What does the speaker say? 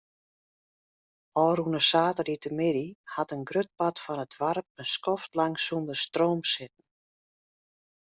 Ofrûne saterdeitemiddei hat in grut part fan it doarp in skoftlang sonder stroom sitten.